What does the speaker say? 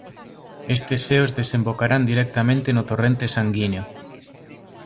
Estes seos desembocarán directamente no torrente sanguíneo.